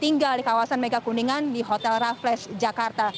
tinggal di kawasan megakuningan di hotel rafles jakarta